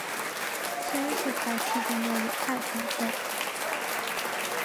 铅是排气中的有害成分。